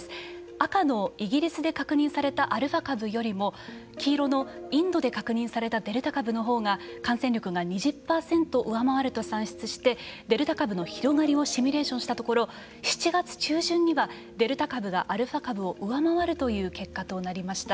赤のイギリスで確認されたアルファ株よりも黄色のインドで確認されたデルタ株のほうが感染力が２０％上回ると算出してデルタ株の広がりをシミュレーションしたところ７月中旬にはデルタ株がアルファ株を上回るという結果となりました。